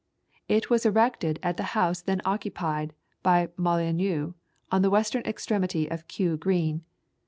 It was erected at the house then occupied by Molyneux, on the western extremity of Kew Green.